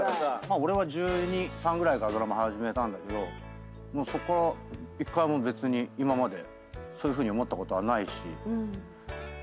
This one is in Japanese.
俺は１２１３歳ぐらいからドラマ始めたんだけどそっから１回も別に今までそういうふうに思ったことはないし。